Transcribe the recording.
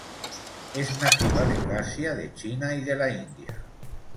Es nativa de Eurasia, de China y de la India.